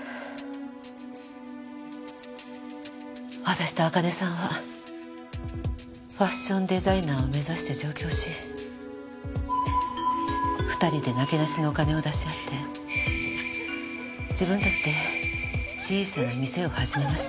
私と朱音さんはファッションデザイナーを目指して上京し２人でなけなしのお金を出し合って自分たちで小さな店を始めました。